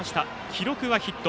記録はヒット。